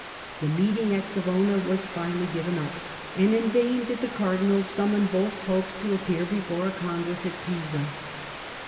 The meeting at Savona was finally given up and in vain did the Cardinals sammon both Popes to appear before a Con gress at Pisa.